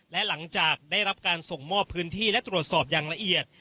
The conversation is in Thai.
และหลังจากได้รับการส่งมอบพื้นที่และตรวจสอบอย่างละเอียด